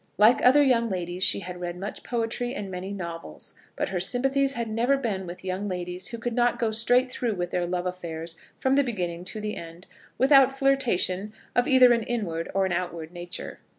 Like other young ladies she had read much poetry and many novels; but her sympathies had never been with young ladies who could not go straight through with their love affairs, from the beginning to the end, without flirtation of either an inward or an outward nature.